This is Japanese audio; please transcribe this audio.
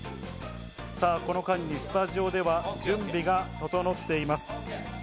この間にスタジオでは準備が整っています。